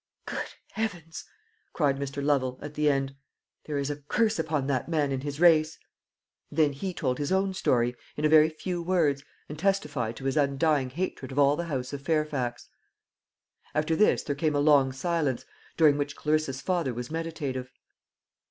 "Good heavens!" cried Mr. Lovel, at the end, "there is a curse upon that man and his race." And then he told his own story, in a very few words, and testified to his undying hatred of all the house of Fairfax. After this there came a long silence, during which Clarissa's father was meditative.